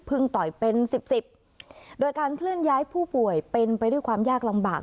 ต่อยเป็นสิบสิบโดยการเคลื่อนย้ายผู้ป่วยเป็นไปด้วยความยากลำบาก